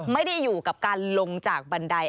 ไม่ได้อยู่กับการลงจากบันได